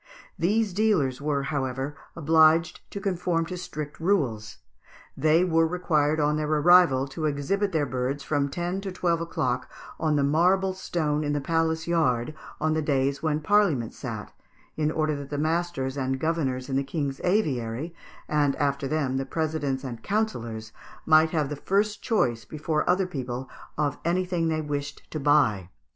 These dealers were, however, obliged to conform to strict rules. They were required on their arrival to exhibit their birds from ten to twelve o'clock on the marble stone in the palace yard on the days when parliament sat, in order that the masters and governors of the King's aviary, and, after them, the presidents and councillors, might have the first choice before other people of anything they wished to buy.